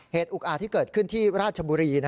อุกอาจที่เกิดขึ้นที่ราชบุรี